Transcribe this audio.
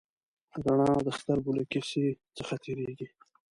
رڼا د سترګو له کسي څخه تېرېږي.